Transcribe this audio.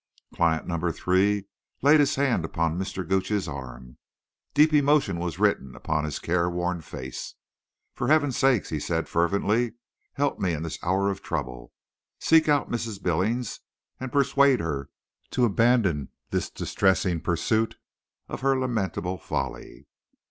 Client number three laid his hand upon Mr. Gooch's arm. Deep emotion was written upon his careworn face. "For Heaven's sake", he said fervently, "help me in this hour of trouble. Seek out Mrs. Billings, and persuade her to abandon this distressing pursuit of her lamentable folly.